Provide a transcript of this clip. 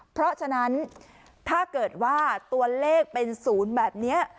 เพราะฉะนั้นถ้าเกิดว่าตัวเลขเป็น๐แบบนี้